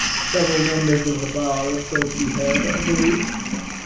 Several members of the bar are still to be heard, I believe?